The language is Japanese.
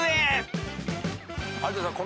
有田さん